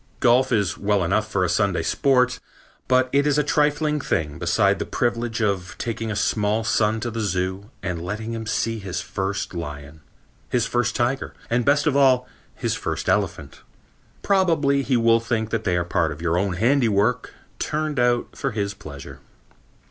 Golf is well enough for a Sunday sport, but it is a trifling thing beside the privilege of taking a small son to the zoo and letting him see his first lion, his first tiger and, best of all, his first elephant. Probably he will think that they are part of your own handiwork turned out for his pleasure.